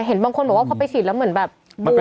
เห็นบางคนบอกว่าพอไปฉีดแล้วเหมือนแบบบวม